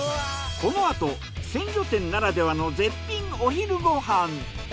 このあと鮮魚店ならではの絶品お昼ご飯。